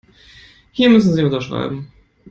Hier müssen Sie unterschreiben.